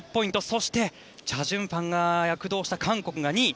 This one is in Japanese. そしてチャ・ジュンファンが躍動した韓国が２位。